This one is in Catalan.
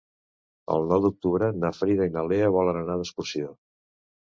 El nou d'octubre na Frida i na Lea volen anar d'excursió.